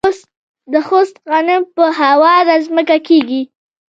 د خوست غنم په هواره ځمکه کیږي.